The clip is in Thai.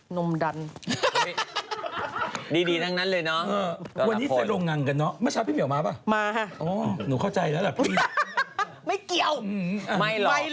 ภาพบริการเดินทางนักท่องเที่ยวจีนมาไทยเนี่ย